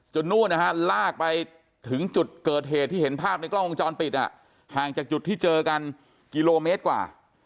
นู่นนะฮะลากไปถึงจุดเกิดเหตุที่เห็นภาพในกล้องวงจรปิดห่างจากจุดที่เจอกันกิโลเมตรกว่า